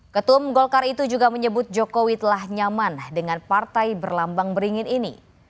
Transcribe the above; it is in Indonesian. ketum golkar itu juga menyebut jokowi telah nyaman dengan partai berlambang beringin ini